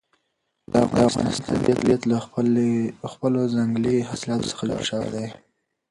د افغانستان طبیعت له خپلو ځنګلي حاصلاتو څخه جوړ شوی دی.